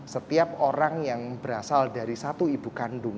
setiap orang yang berasal dari satu ibu kandung